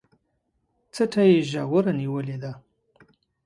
څټه يې ژوره نيولې ده